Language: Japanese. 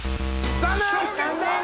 残念です。